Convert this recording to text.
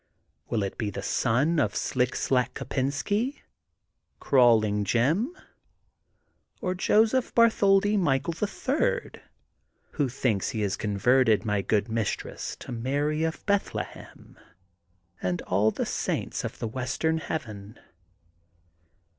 Will it be the son of Slick Slack Kopensky, Crawling Jim :— or Joseph Bartholdi Michael, the Third, who thinks he has converted my good mistress to Mary of Bethlehem and all the saints of the western heaven.